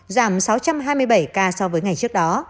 giảm sáu trăm hai mươi bảy ca so với ngày trước đó